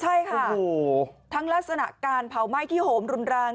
ใช่ค่ะทั้งลักษณะการเผาไหม้ที่โหมรุนแรง